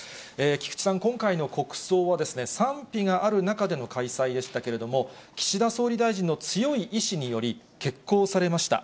菊池さん、今回の国葬は、賛否がある中での開催でしたけれども、岸田総理大臣の強い意志により、決行されました。